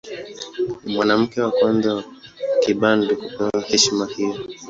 Ni mwanamke wa kwanza wa Kibantu kupewa heshima hiyo.